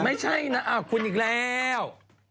ไม่ใช่นะคุณอีกแล้ว